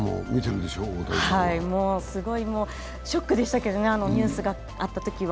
すごいもうショックでしたけどね、あのニュースがあったときは。